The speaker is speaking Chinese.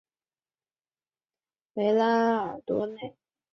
维拉尔多内。